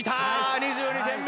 ２２点目。